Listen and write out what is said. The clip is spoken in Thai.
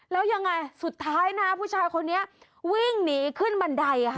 แล้วยังไงสุดท้ายนะผู้ชายคนนี้วิ่งหนีขึ้นบันไดค่ะ